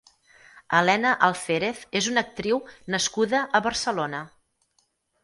Elena Alférez és una actriu nascuda a Barcelona.